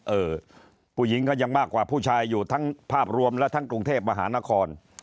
เออผู้หญิงก็ยังมากกว่าผู้ชายอยู่ทั้งภาพรวมและทั้งกรุงเทพมหานคร